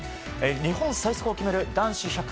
日本最速を決める男子１００ｍ。